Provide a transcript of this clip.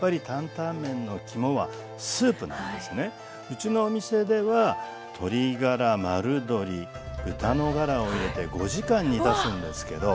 うちのお店では鶏がら丸鶏豚のがらを入れて５時間煮出すんですけど。